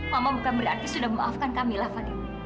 mama bukan berarti sudah memaafkan kamilah fadil